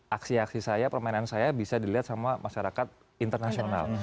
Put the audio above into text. aksi aksi saya permainan saya bisa dilihat sama masyarakat internasional